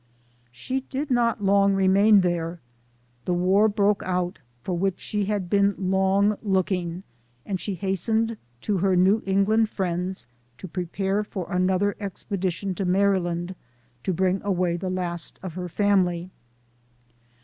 " She did not long remain there. The war broke out, for which she had been long looking, and she hastened to her New England friends to prepare for another expedition to Maryland, to bring away the last of her family.